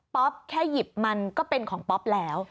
แค่หยิบมันก็เป็นของป๊อปแล้ว